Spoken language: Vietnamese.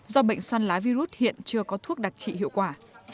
do bệnh xăn lá virus hiện chưa có thuốc đặc trị hiệu quả